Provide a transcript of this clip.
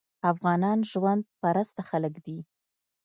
افغانان ژوند پرسته خلک دي.